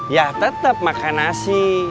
ya tetep makan nasi